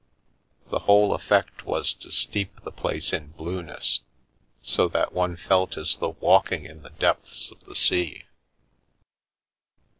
The whole effect was to steep the place in blueness, so that one felt as though walking in the depths of the sea.